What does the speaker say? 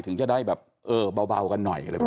ถึงจะได้แบบเออเบากันหน่อยอะไรแบบนี้